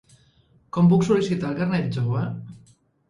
Com puc sol·licitar el carnet jove?